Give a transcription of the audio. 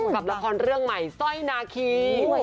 กับละครเรื่องใหม่สร้อยนาคี